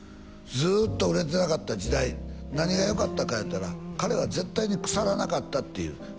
ずーっと売れてなかった時代何が良かったか言うたら彼は絶対に腐らなかったっていう